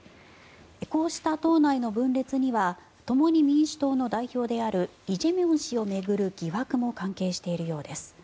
こうした党内の分裂には共に民主党の代表であるイ・ジェミョン氏を巡る疑惑も関係しているようです。